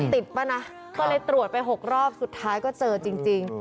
ป่ะนะก็เลยตรวจไป๖รอบสุดท้ายก็เจอจริง